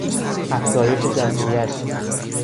افزایش جمعیت